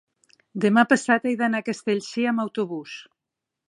demà passat he d'anar a Castellcir amb autobús.